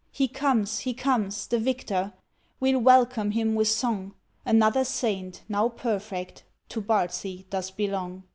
He comes! he comes! the victor! We'll welcome him with song; Another Saint now perfect, To Bardsey doth belong!